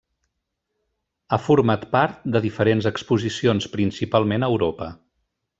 Ha format part de diferents exposicions, principalment a Europa.